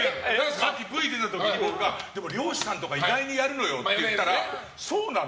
さっきＶ出た時漁師さんとか意外とやるのよって言ったらそうなの？